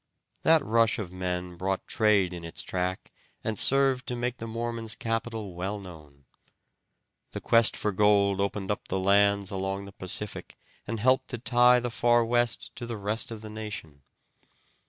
That rush of men brought trade in its track and served to make the Mormons' capital well known. The quest for gold opened up the lands along the Pacific and helped to tie the far west to the rest of the nation.